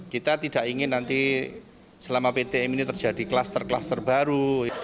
kita tidak ingin nanti selama ptm ini terjadi kluster kluster baru